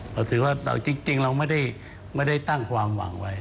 เราถือว่าจริงเราไม่ได้ตั้งความหวังไว้